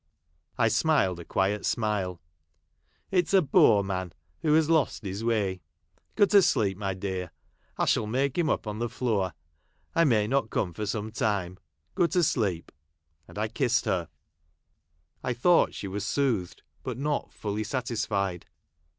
I smiled a quiet smile. " It is a poor man who has lost his way. Go to sleep, my dear — I shall make him up oil the floor. I may not come for some time. Go to sleep ;" and I kissed her. I thought she was soothed, but not fully satisfied.